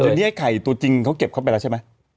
ตอนนี้ไอ้ไข่ตัวจริงเขาเก็บเข้าไปแล้วใช่ไหม